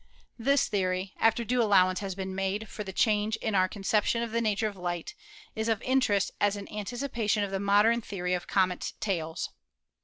This theory, after due allowance has been made for the change in our con ception of the nature of light, is of interest as an anticipa tion of the modern theory of comets' tails.